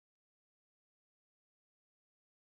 د موټرو سوداګري ډیره لویه ده